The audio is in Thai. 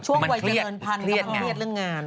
ช่วงวัยเจริญพันธุ์กำลังเครียดเรื่องงาน